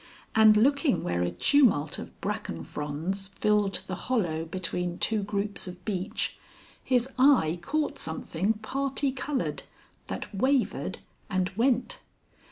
And looking where a tumult of bracken fronds filled the hollow between two groups of beech, his eye caught something parti coloured that wavered and went.